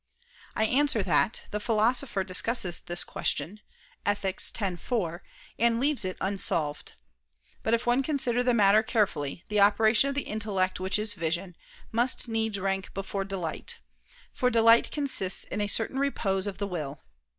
I answer that, The Philosopher discusses this question (Ethic. x, 4), and leaves it unsolved. But if one consider the matter carefully, the operation of the intellect which is vision, must needs rank before delight. For delight consists in a certain repose of the will.